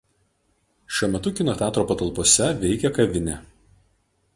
Šiuo metu kino teatro patalpose veikia kavinė.